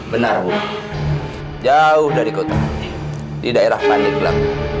benar bu jauh dari kota di daerah panik bang